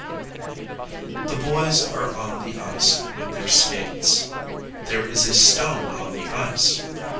] The boys are on the ice with their skates. There is a stone on the ice.